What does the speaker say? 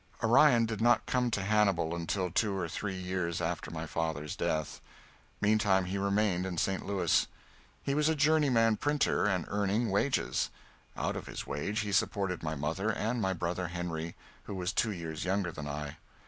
Orion did not come to Hannibal until two or three years after my father's death. Meantime he remained in St Louis. He was a journeyman printer and earning wages. Out of his wage he supported my mother and my brother Henry, who was two years younger than I.